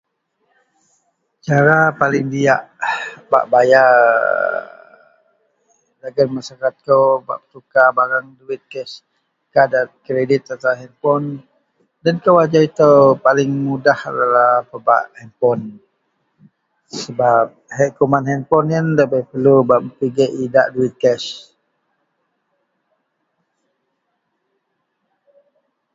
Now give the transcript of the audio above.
cara paling diyak bak bayar dagen Masyarakat kou bak petukar barang duwit cash, kadar kreadit atau handpon, den kou ajau itou paling mudahlah pebak handpon sebab hed kuman handpon ien debei perlu bak pigek idak duwit cash.